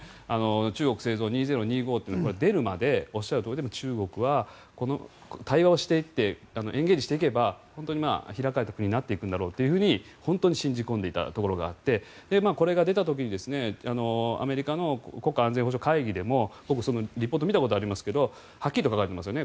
中国製造２０２５というのが出るまでおっしゃるとおり中国は対話をしていってエンゲージしていけば本当に開かれた国になっていくんだろうと本当に信じ込んでいたところがあってこれが出た時にアメリカの国家安全保障会議でも僕、そのリポートを見たことがありますがはっきりと書いてありますよね。